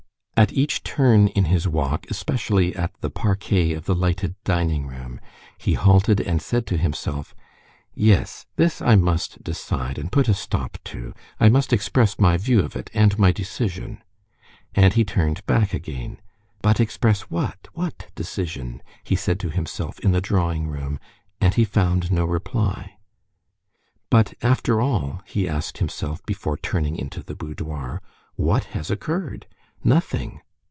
At each turn in his walk, especially at the parquet of the lighted dining room, he halted and said to himself, "Yes, this I must decide and put a stop to; I must express my view of it and my decision." And he turned back again. "But express what—what decision?" he said to himself in the drawing room, and he found no reply. "But after all," he asked himself before turning into the boudoir, "what has occurred? Nothing.